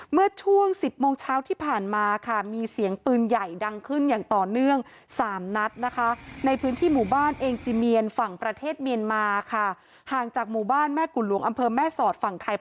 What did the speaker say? เมื่อช่วง๑๐โมงเช้าที่ผ่านมาค่ะมีเสียงปืนใหญ่ดังขึ้นอย่างต่อเนื่อง๓นัดนะคะ